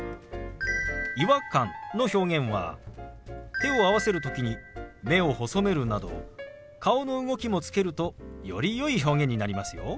「違和感」の表現は手を合わせる時に目を細めるなど顔の動きもつけるとよりよい表現になりますよ。